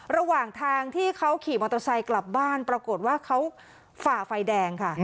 ระหว่างทางที่เขาขี่มอเตอร์ไซค์กลับบ้านปรากฏว่าเขาฝ่าไฟแดงค่ะ